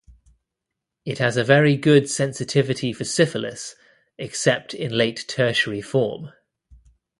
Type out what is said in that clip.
It has a very good sensitivity for syphilis, except in late tertiary form.